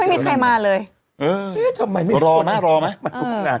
ไม่มีใครมาเลยเออเอ๊ะทำไมไม่มีคนรอมั้ยรอมั้ยเออ